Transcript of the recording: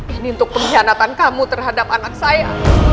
ini untuk pengkhianatan kamu terhadap anak saya